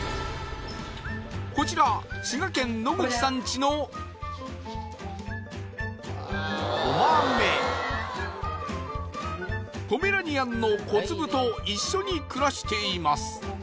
こちら滋賀県野口さんちのポメラニアンのこつぶと一緒に暮らしています